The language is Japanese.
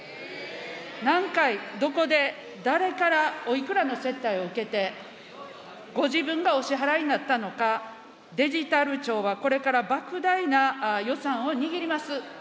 何回、どこで、誰から、おいくらの接待を受けて、ご自分がお支払いになったのか、デジタル庁はこれからばく大な予算を握ります。